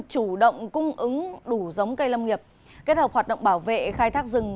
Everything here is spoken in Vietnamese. chủ động cung ứng đủ giống cây lâm nghiệp kết hợp hoạt động bảo vệ khai thác rừng